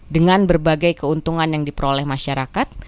dengan berbagai keuntungan yang diperoleh masyarakat